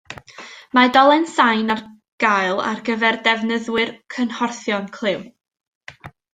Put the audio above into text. Mae dolen sain ar gael ar gyfer defnyddwyr cymhorthion clyw